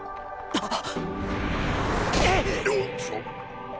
あっ。